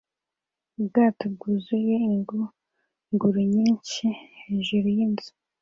Ubwato bwuzuye ingunguru nyinshi hejuru yinzu